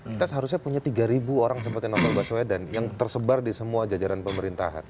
kita seharusnya punya tiga ribu orang seperti novel baswedan yang tersebar di semua jajaran pemerintahan